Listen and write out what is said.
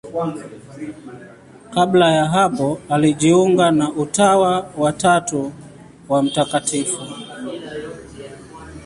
Kabla ya hapo alijiunga na Utawa wa Tatu wa Mt.